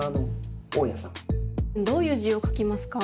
どういう字を書きますか？